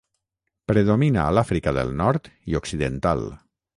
Predomina a l'Àfrica del Nord i Occidental.